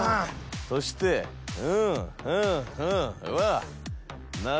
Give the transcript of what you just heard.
そしてふんふんふんは謎。